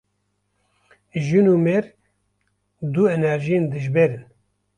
Jin û mêr, du enerjiyên dijber in